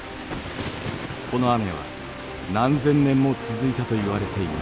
この雨は何千年も続いたといわれています。